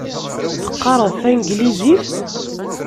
Teqqareḍ tanglizit?